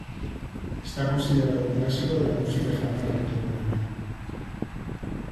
Está considerado un clásico de la música española contemporánea.